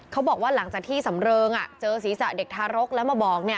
เขาบอกว่าหลังจากที่สำเริงเจอศีรษะเด็กทารกแล้วมาบอก